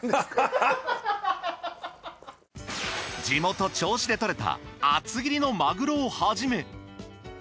地元銚子で獲れた厚切りのマグロをはじめ